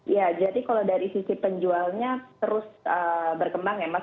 ya jadi kalau dari sisi penjualnya terus berkembang ya mas